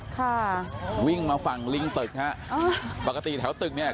ค่ะวิ่งมาฝั่งลิงตึกฮะอ่าปกติแถวตึกเนี่ย